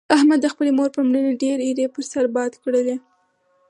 احمد د خپلې مور پر مړینه ډېرې ایرې پر سر باد کړلې.